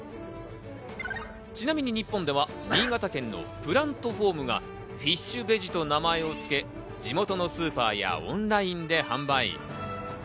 ちなみに日本では新潟県のプラントフォームがフィッシュベジと名前を付け、地元のスーパーやオンラインで販売。